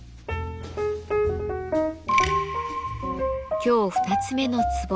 今日２つ目の壺。